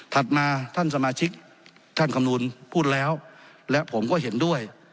มาท่านสมาชิกท่านคำนวณพูดแล้วและผมก็เห็นด้วย